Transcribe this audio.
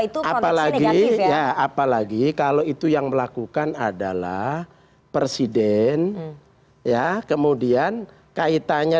itu konteksnya negatif ya apalagi kalau itu yang melakukan adalah presiden ya kemudian kaitannya